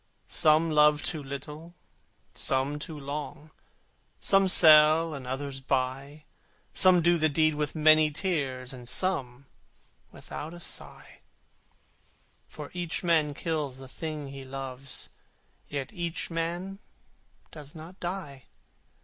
Some love too little, some too long, Some sell, and others buy; Some do the deed with many tears, And some without a sigh: For each man kills the thing he loves, Yet each man does not die.